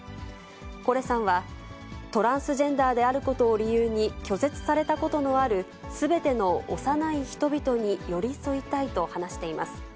コレさんはトランスジェンダーであることを理由に拒絶されたことのあるすべての幼い人々に寄り添いたいと話しています。